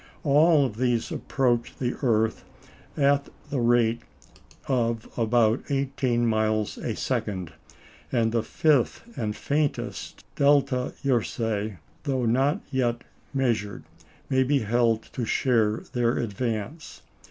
All of these approach the earth at the rate of about eighteen miles a second; and the fifth and faintest, Delta Ursæ, though not yet measured, may be held to share their advance.